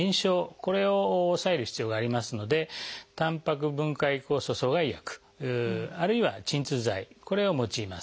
これを抑える必要がありますのでたんぱく分解酵素阻害薬あるいは鎮痛剤これを用います。